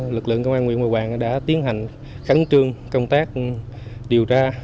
lực lượng công an nguyễn bà hoàng đã tiến hành khắn trương công tác điều tra